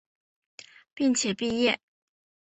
并且毕业。